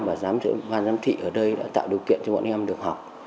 và giám thị ở đây đã tạo điều kiện cho bọn em được học